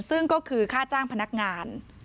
ซึ่งก็คือค่าจ้างพนักงาน